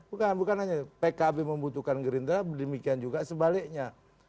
bukan bukan hanya pkb membutuhkan gerindra demikian juga sebaliknya